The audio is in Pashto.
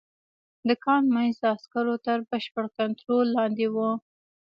د کان منځ د عسکرو تر بشپړ کنترول لاندې و